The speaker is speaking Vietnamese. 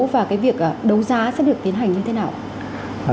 và cái việc đấu giá sẽ được tiến hành như thế nào ạ